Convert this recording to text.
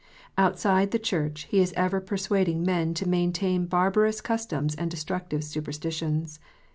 Outside the Church he is ever persuading men to main tain barbarous customs and destructive superstitions.